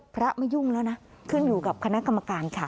พระไม่ยุ่งแล้วนะขึ้นอยู่กับคณะกรรมการค่ะ